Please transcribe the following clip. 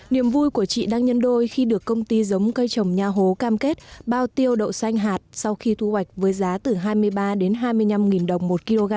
niềm vui của chị đang nhân đôi khi được công ty giống cây trồng nha hố cam kết bao tiêu đậu xanh hạt sau khi thu hoạch với giá từ hai mươi ba đến hai mươi năm đồng một kg